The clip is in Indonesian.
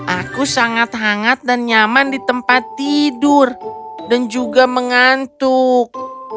aku sangat hangat dan nyaman di tempat tidur dan juga mengantuk